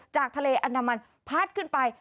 จากทะเลอันดามันพัดขึ้นไป